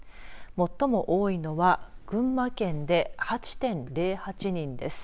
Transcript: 最も多いのは群馬県で８．０８人です。